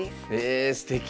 えすてき。